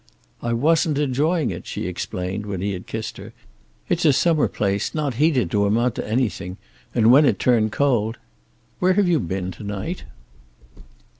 "I wasn't enjoying it," she explained, when he had kissed her. "It's a summer place, not heated to amount to anything, and when it turned cold where have you been to night?"